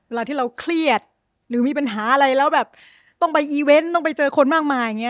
เวลาที่เราเครียดหรือมีปัญหาอะไรแล้วแบบต้องไปอีเวนต์ต้องไปเจอคนมากมายอย่างนี้